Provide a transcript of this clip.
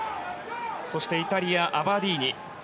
イタリア、アバディーニ。